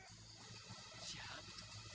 mau jadi kayak gini sih salah buat apa